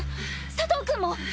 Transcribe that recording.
佐藤君も！